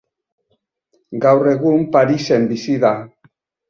Gaur egun Parisen bizi da.